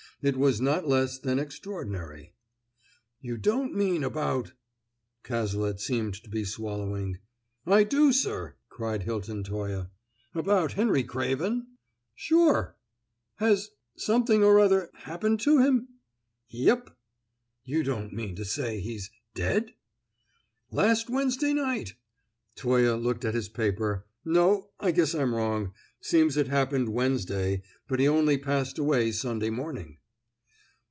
It was not less than extraordinary. "You don't mean about " Cazalet seemed to be swallowing. "I do, sir!" cried Hilton Toye. " about Henry Craven?" "Sure." "Has something or other happened to him?" "Yep." "You don't mean to say he's dead?" "Last Wednesday night!" Toye looked at his paper. "No, I guess I'm wrong. Seems it happened Wednesday, but he only passed away Sunday morning."